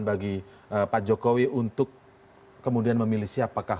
bagi pak jokowi untuk kemudian memilih siapakah